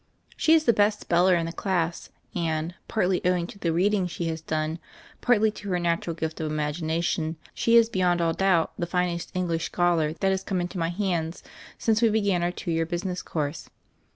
She is the best speller in the class, and, partly owing to the reading she has done, partly to her natural gift of imagination, she is, beyond all doubt, the finest English scholar that has come into my hands since we began our two year business course.